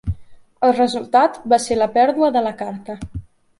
El resultat va ser la pèrdua de la carta.